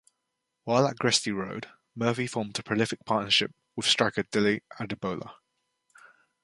While at Gresty Road, Murphy formed a prolific partnership with striker Dele Adebola.